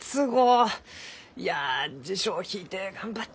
いや辞書を引いて頑張っ